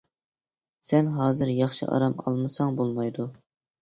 سەن ھازىر ياخشى ئارام ئالمىساڭ بولمايدۇ.